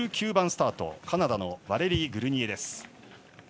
１９番スタート、カナダのバレリー・グルニエです。